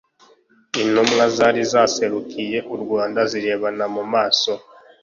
intumwa zari zaserukiye u rwanda zirebana mu maso